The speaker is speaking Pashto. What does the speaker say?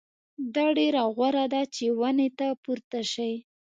دا ډېره غوره ده چې ونې ته پورته شئ.